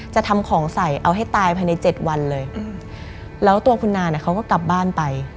จะทำของใส่เอาให้ตายภายในเจ็ดวันเลยแล้วตัวคุณนานเขาก็กลับบ้านไป